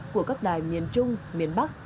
của các đài miền trung miền bắc